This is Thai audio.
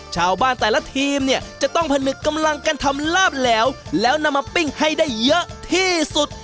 ชาวบ้านแต่ละทีมเนี่ยจะต้องผนึกกำลังกันทำลาบแหลวแล้วแล้วนำมาปิ้งให้ได้เยอะที่สุด